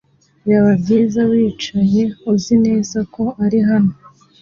Byaba byiza wicayeuzi neza ko ari hano .